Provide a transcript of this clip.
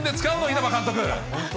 稲葉監督。